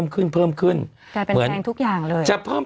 แก่เป็นแทนทุกอย่างเลย